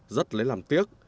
rất lấy làm tiếc